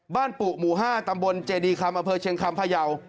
ปุหมู่๕ตำบลเจดีคำอำเภอเชียงคำพยาว